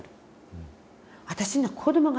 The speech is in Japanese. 私には子どもがいてる。